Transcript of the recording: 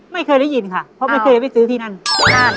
ไม่เคยได้ยินค่ะเพราะไม่เคยไปซื้อที่นั่นที่นั่น